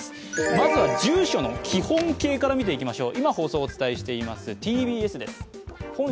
まずは住所の基本形から見ていきましょう。